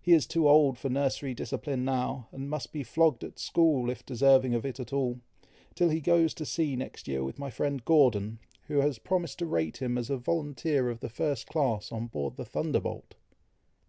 He is too old for nursery discipline now, and must be flogged at school, if deserving of it at all, till he goes to sea next year with my friend Gordon, who has promised to rate him as a volunteer of the first class, on board the Thunderbolt."